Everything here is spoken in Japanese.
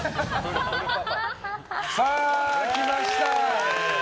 さあ、きました！